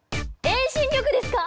遠心力ですか？